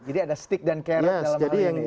jadi ada stick dan carrot dalam hal ini